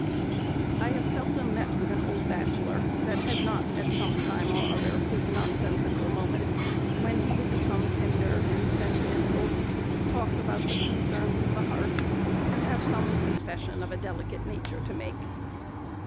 I have seldom met with an old bachelor that had not, at some time or other, his nonsensical moment, when he would become tender and sentimental, talk about the concerns of the heart, and have some confession of a delicate nature to make.